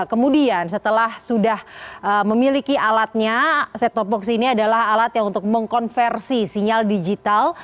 kemudian setelah sudah memiliki alatnya set top box ini adalah alat yang untuk mengkonversi sinyal digital